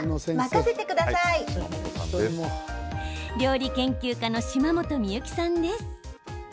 料理研究家の島本美由紀さんです。